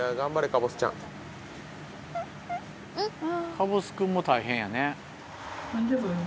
かぼす君も大変やね。